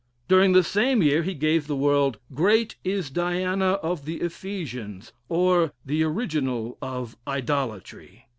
During the same year, he gave the world "Great is Diana of the Ephesians; or, the Original of Idolatry."